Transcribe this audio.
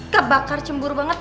kebakar cemburu banget